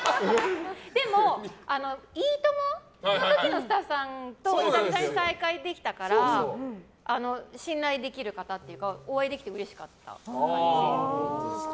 でも、「いいとも！」の時のスタッフさんと久々に再会できたから信頼できる方というかお会いできてうれしかった。